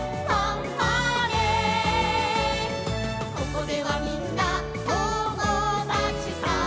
「ここではみんな友だちさ」